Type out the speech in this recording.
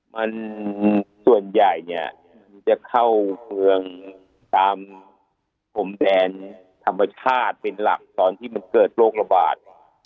มันส่วนใหญ่เนี่ยมันจะเข้าเมืองตามพรมแดนธรรมชาติเป็นหลักตอนที่มันเกิดโรคระบาด